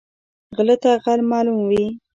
غله ته غل معلوم وي